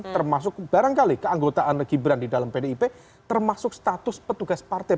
termasuk barangkali keanggotaan gibran di dalam pdip termasuk status petugas partai